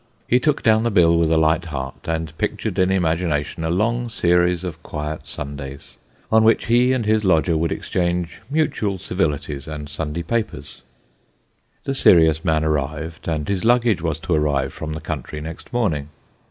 He took down the bill with a light heart, and pictured in imagination a long series of quiet Sundays, on which he and his lodger would exchange mutual civilities and Sunday papers. The serious man arrived, and his luggage was to arrive from the country next morning.